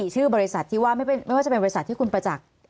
ชื่อบริษัทที่ว่าไม่ว่าจะเป็นบริษัทที่คุณประจักษ์